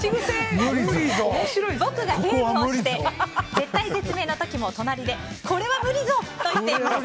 僕がゲームをして絶体絶命の時も隣でこれは無理ぞ！と言っています。